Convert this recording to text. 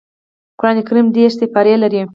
قران کريم دېرش سپاري لري